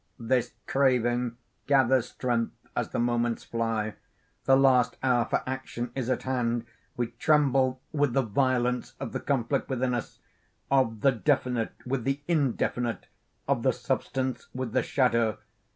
This craving gathers strength as the moments fly. The last hour for action is at hand. We tremble with the violence of the conflict within us,—of the definite with the indefinite—of the substance with the shadow.